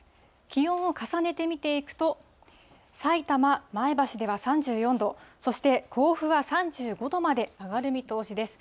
気温を重ねて見ていくと、さいたま、前橋では３４度、そして甲府は３５度まで上がる見通しです。